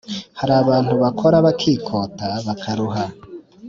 Hari abantu bakora bakikota, bakaruha,